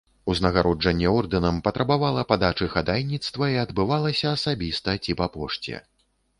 Узнагароджанне ордэнам патрабавала падачы хадайніцтва і адбывалася асабіста ці па пошце.